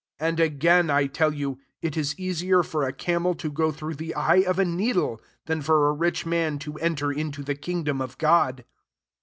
24 And again, I tell you, it is easier for a camel to go through the eye of a needle, than for a rich man to enter into the kingdom of God."